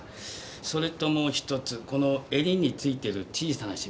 それともう１つこの襟についている小さな染み。